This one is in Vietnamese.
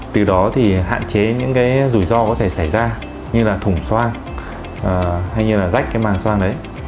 từ đó thì hạn chế những cái rủi ro có thể xảy ra như là thủng xoa hay như là rách cái màng xoay đấy